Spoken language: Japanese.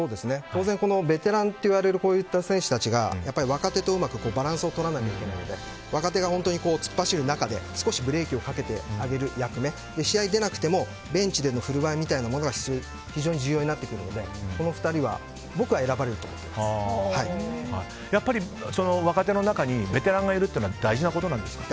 当然ベテランといわれるこういった選手たちが若手とうまくバランスを取らなきゃいけないので若手が突っ走る中で少しブレーキをかけてあげる役目試合に出なくてもベンチでの振る舞いみたいなものが非常に重要になってくるのでこの２人はやっぱり若手の中にベテランがいるのは大事なことなんですか？